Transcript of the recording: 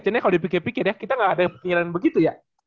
cintanya kalo dipikir pikir ya kita gak ada kepinginan begitu ya